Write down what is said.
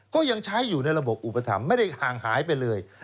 ก็ยังใช้อยู่ในระบบอุปถัมภ์ไม่ได้ห่างหายไปเลย